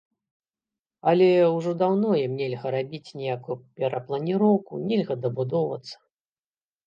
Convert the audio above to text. Але ўжо даўно ім нельга рабіць ніякую перапланіроўку, нельга дабудоўвацца.